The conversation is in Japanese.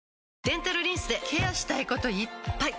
デンタルリンスでケアしたいこといっぱい！